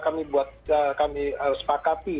kami buat kami sepakati